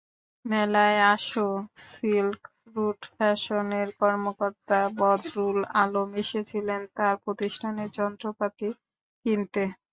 মেলায় আসা সিল্করুট ফ্যাশনের কর্মকর্তা বদরুল আলম এসেছিলেন তাঁর প্রতিষ্ঠানের জন্য যন্ত্রপাতি কিনতে।